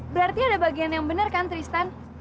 berarti ada bagian yang benar kan tristan